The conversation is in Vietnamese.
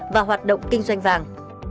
và hoạt động kinh doanh vàng